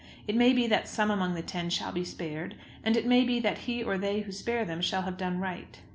It may be that some among the ten shall be spared, and it may be that he or they who spare them shall have done right.